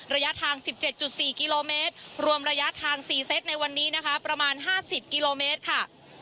ระยะทาง๑๗๔กิโลเมตรรวมระยะทาง๔เซตในวันนี้นะคะประมาณ๕๐กิโลเมตรค่ะ